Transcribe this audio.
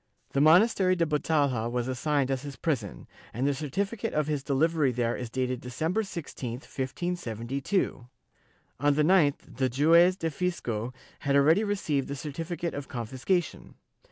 The monastery da Batalha was assigned as his prison, and the certificate of his delivery there is dated Decem ber 16, 1572; on the 9th the juez do fisco had already received the certificate of confiscation.